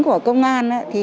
của công an